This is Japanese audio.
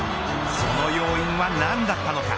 その要因は何だったのか。